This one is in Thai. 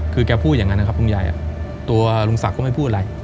คือแกพูดอย่างนั้นนะครับลุงใหญ่ตัวลุงศักดิ์ก็ไม่พูดอะไร